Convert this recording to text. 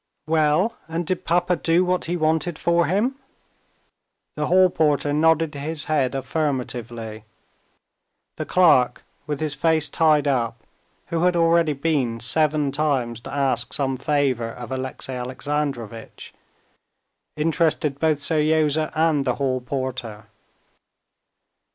"Well, and did papa do what he wanted for him?" The hall porter nodded his head affirmatively. The clerk with his face tied up, who had already been seven times to ask some favor of Alexey Alexandrovitch, interested both Seryozha and the hall porter.